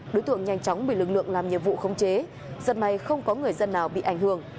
đối tượng nhanh chóng bị lực lượng làm nhiệm vụ khống chế giật may không có người dân nào bị ảnh hưởng